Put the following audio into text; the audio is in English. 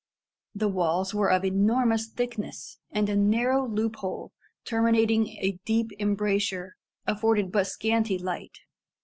The walls were of enormous thickness, and a narrow loophole, terminating a deep embrasure, afforded but scanty light.